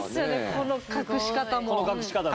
この隠し方ね